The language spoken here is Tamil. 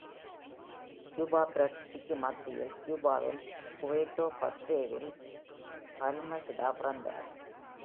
கியூபா புரட்சிக்கு மத்தியில் கியூபாவின் புவேர்ட்டோ பத்ரேவில் பால்மசெடா பிறந்தார்.